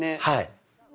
はい。